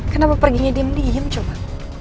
kenapa perginya diam diam coba